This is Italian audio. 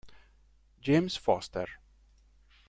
James Foster